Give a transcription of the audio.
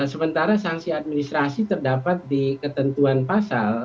sementara sanksi administrasi terdapat di ketentuan pasal